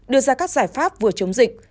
đưa ra các giải pháp vừa chống dịch